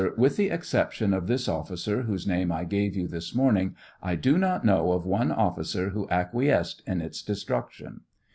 With the exception of this officer, whose name I gave you this morning, I do not know of one officer who acquiesced in its destruction.